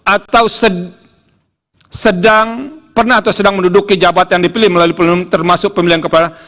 atau sedang pernah atau sedang menduduki jabatan yang dipilih melalui pemilu termasuk pemilihan kepala